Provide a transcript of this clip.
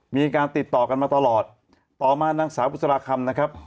มีการติดต่อกันมาตลอดต่อมานางสาวบุษราคำนะครับ